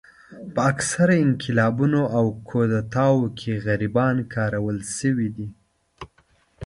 په اکثره انقلابونو او کودتاوو کې غریبان کارول شوي دي.